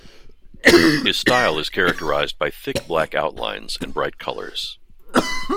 His style is characterized by thick black outlines and bright colors.